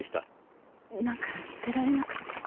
なんか捨てられなくて。